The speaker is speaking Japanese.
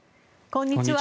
こんにちは。